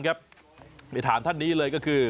ไปถามท่านนี้เลยก็คือ